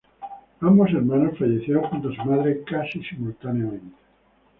Ambos hermanos fallecieron junto a su madre, casi simultáneamente.